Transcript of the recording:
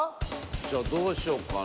じゃあどうしようかな。